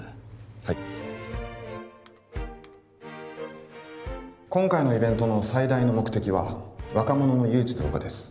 はい今回のイベントの最大の目的は若者の誘致増加です